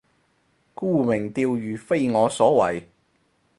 沽名釣譽非我所為